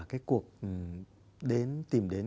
cái cuộc tìm đến